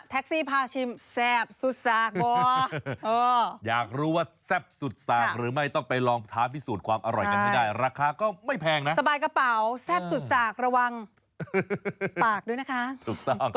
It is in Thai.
พาชิมแซ่บสุดสากออยากรู้ว่าแซ่บสุดสากหรือไม่ต้องไปลองท้าพิสูจน์ความอร่อยกันให้ได้ราคาก็ไม่แพงนะสบายกระเป๋าแซ่บสุดสากระวังปากด้วยนะคะถูกต้อง